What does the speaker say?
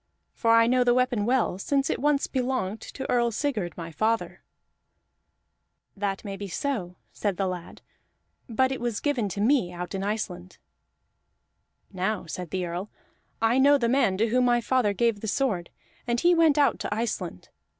For I know the weapon well, since once it belonged to Earl Sigurd my father." "That may be so," said the lad, "but it was given me out in Iceland." "Now," said the Earl, "I know the man to whom my father gave the sword, and he went out to Iceland.